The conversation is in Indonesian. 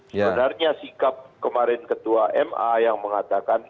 sebenarnya sikap kemarin ketua ma yang mengatakan